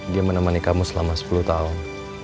dia menemani kamu selama sepuluh tahun